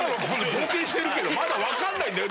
冒険してるけどまだ分かんないんだよ？